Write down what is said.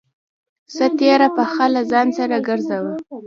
څه تېره پڅه له ځان سره گرځوه.